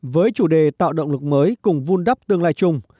với chủ đề tạo động lực mới cùng vun đắp tương lai chung